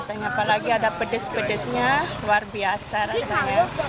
apalagi ada pedes pedesnya luar biasa rasanya